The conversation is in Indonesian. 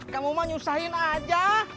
kamu menyusahkan aja